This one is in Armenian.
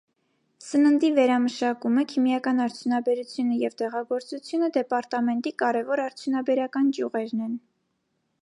Սննդի վերամշակումը, քիմիական արդյունաբերությունը և դեղագործությունը դեպարտամենտի կարևոր արդյունաբերական ճյուղերն են։